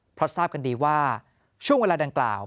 เพราะทราบกันดีว่าช่วงเวลาดังกล่าว